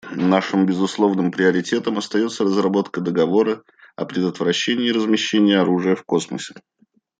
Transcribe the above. Нашим безусловным приоритетом остается разработка договора о предотвращении размещения оружия в космосе.